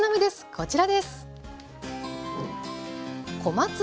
こちらです。